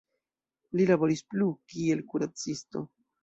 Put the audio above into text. Li laboris plu, kiel kuracisto.